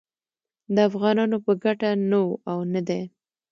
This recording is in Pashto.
د افغانانو په ګټه نه و او نه دی